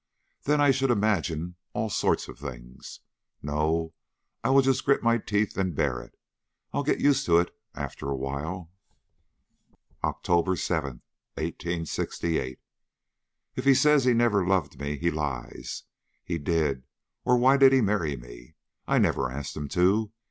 Then I should imagine all sorts of things. No, I will just grit my teeth and bear it. I'll get used to it after a while." "OCTOBER 7, 1868. If he says he never loved me he lies. He did, or why did he marry me? I never asked him to.